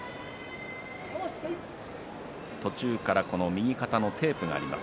途中から右肩のテープがあります